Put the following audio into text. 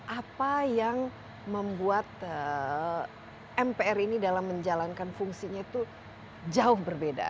apa yang membuat mpr ini dalam menjalankan fungsinya itu jauh berbeda